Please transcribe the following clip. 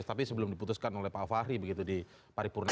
tapi sebelum diputuskan oleh pak fahri begitu di paripurna